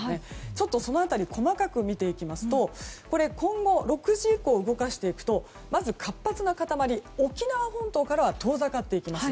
ちょっと、その辺りを細かく見ていきますと今後、６時以降動かしていくとまず、活発な固まりは沖縄本島からは遠ざかっていきます。